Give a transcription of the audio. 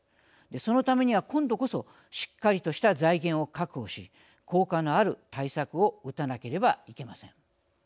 そのためには今度こそしっかりとした財源を確保し効果のある対策を打たなければいけません。